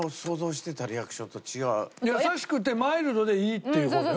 優しくてマイルドでいいっていう事だよ。